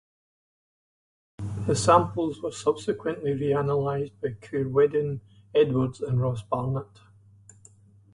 The samples were subsequently re-analysed by Ceiridwen Edwards and Ross Barnett.